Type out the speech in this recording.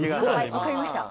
「わかりました」